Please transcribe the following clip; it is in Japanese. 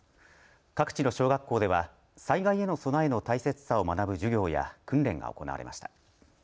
各地の小学校では災害への備えの大切さを学ぶ授業や訓練が行われました。